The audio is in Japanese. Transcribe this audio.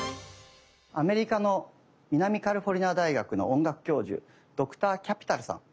アメリカの南カリフォルニア大学の音楽教授ドクター・キャピタルさん。